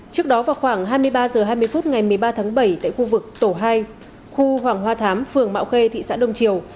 trước đó vào khoảng hai mươi ba h hai mươi phút ngày một mươi ba tháng bảy tại khu vực tổ hai khu hoàng hoa thám phường mạo khê thị xã đông triều